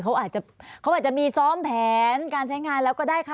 เขาอาจจะเขาอาจจะมีซ้อมแผนการใช้งานแล้วก็ได้คะ